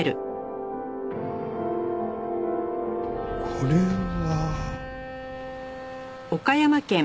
これは。